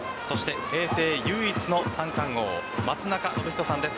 平成唯一の三冠王松中信彦さんです。